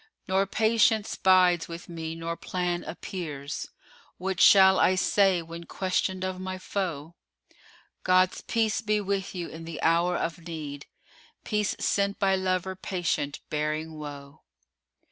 Nor Patience bides with me nor plan appears: * What shall I say when questioned of my foe? God's peace be with you in the hour of need, * Peace sent by lover patient bearing woe!"